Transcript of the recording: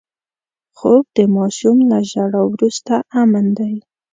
خوب د ماشوم له ژړا وروسته امن دی